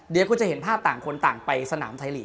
เดี๋ยวคุณจะเห็นภาพต่างคนต่างไปสนามไทยลีก